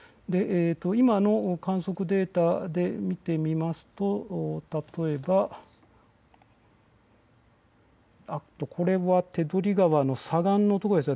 今の観測データで見てみますと例えばこれは手取川の左岸のところです。